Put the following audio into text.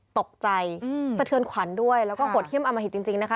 ตกใจสะเทือนขวัญด้วยแล้วก็โหดเยี่ยมอมหิตจริงนะคะ